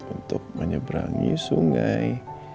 untuk menyeberangi sungai